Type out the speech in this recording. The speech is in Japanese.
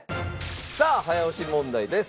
さあ早押し問題です。